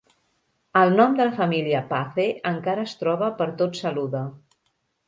El nom de la família Pace encara es troba per tot Saluda.